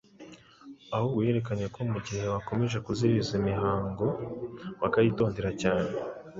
ahubwo yerekanye ko mu gihe bakomeje kuziririza imihango bakayitondera cyane